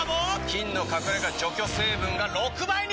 菌の隠れ家除去成分が６倍に！